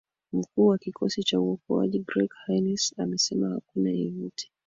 mkuu wa kikosi cha uokoaji grek hainis amesema hakuna yeyote